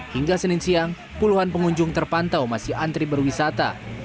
hingga senin siang puluhan pengunjung terpantau masih antri berwisata